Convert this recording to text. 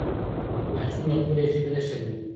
ماشوم له خپلې ژبې نه شرمېږي.